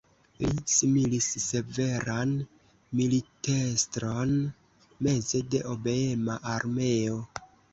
Li similis severan militestron meze de obeema armeo.